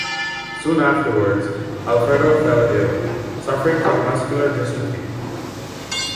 Soon afterwards, Alfredo fell ill, suffering from muscular dystrophy.